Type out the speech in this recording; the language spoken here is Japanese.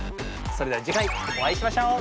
それでは次回お会いしましょう！